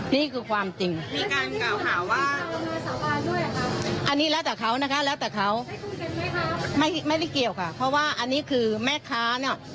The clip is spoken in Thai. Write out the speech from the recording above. ไม่ได้เกี่ยวกับเพราะว่าคือแม่ค้า